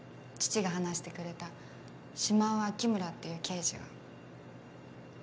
父が話してくれた島尾明村っていう刑事が。